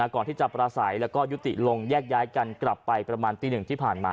ก่อนที่จะปราศัยแล้วก็ยุติลงแยกย้ายกันกลับไปประมาณตี๑ที่ผ่านมา